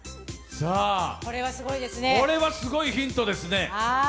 これはすごいヒントですね。